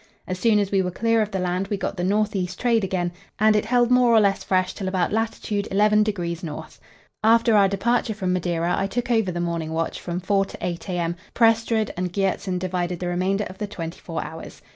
As soon as we were clear of the land we got the north east trade again, and it held more or less fresh till about lat. 11° N. After our departure from Madeira I took over the morning watch, from 4 to 8 a.m.; Prestrud and Gjertsen divided the remainder of the twenty four hours.